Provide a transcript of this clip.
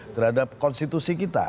terhadap konstitusi kita